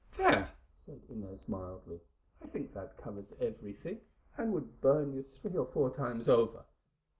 "There!" said Inez mildly, "I think that covers everything, and would burn you three or four times over.